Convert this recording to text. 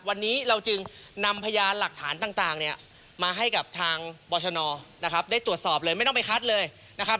วันนี้เราจึงนำพยานหลักฐานต่างเนี่ยมาให้กับทางบรชนนะครับได้ตรวจสอบเลยไม่ต้องไปคัดเลยนะครับ